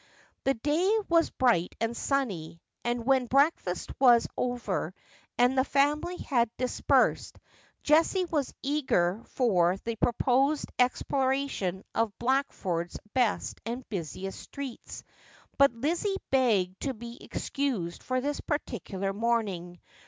The day was bright and sunny, and when breakfast was over, and the family had dispersed, Jessie was eager for the proposed exploration of Blackford's best and busiest streets, but Lizzie begged to be excused for this particular morning.